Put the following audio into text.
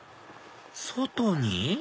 外に！